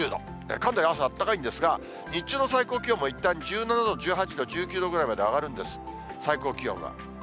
かなり朝、あったかいんですが、日中の最高気温もいったん１７度、１８度、１９度ぐらいまで上がるんです、最高気温が。